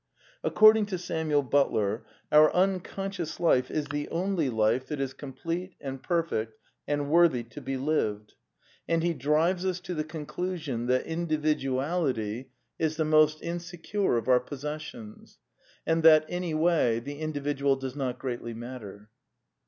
Ac cording to Samuel Butler our unconscious life is the only life that is complete and perfect and worthy to be lived. And he drives us to the conclusion that individuality is the 4 A DEFENCE OF IDEALISM most insecure of our possessions, and that, any way, the individual does not greatly matter.